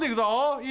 いい？